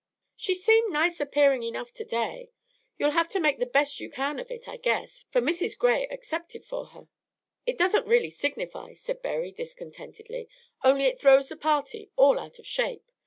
"She seemed nice appearing enough to day. You'll have to make the best you can of it, I guess; for Mrs. Gray accepted for her." "It doesn't really signify," said Berry, discontentedly; "only it throws the party all out of shape.